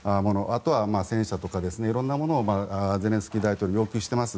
あとは戦車とか色んなものをゼレンスキー大統領は要求しています。